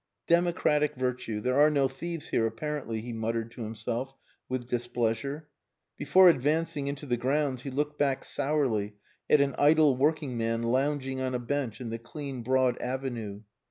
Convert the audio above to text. "Democratic virtue. There are no thieves here, apparently," he muttered to himself, with displeasure. Before advancing into the grounds he looked back sourly at an idle working man lounging on a bench in the clean, broad avenue.